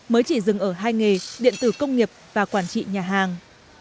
mới chỉ dừng ở hai nghề điện tử công nghiệp và quản trị nhà hàng